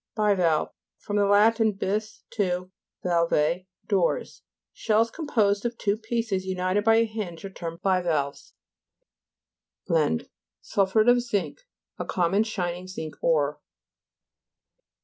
BI'VALVE fr. lat. bis, two, valvae, doors. Shells composed of two pieces united by a hinge are termed bivalves. BLENDE Sulphuret of zinc, a com mon shining zinc ore.